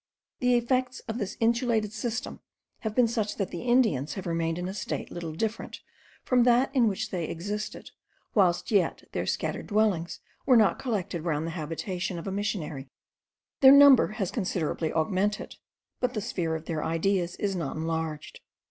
The effects of this insulated system have been such that the Indians have remained in a state little different from that in which they existed whilst yet their scattered dwellings were not collected round the habitation of a missionary. Their number has considerably augmented, but the sphere of their ideas is not enlarged.